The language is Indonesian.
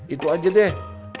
itu aja deh